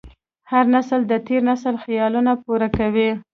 هر نسل د تېر نسل خیالونه پوره کوي.